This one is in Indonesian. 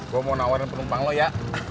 gue mau nawarin penumpang lo ya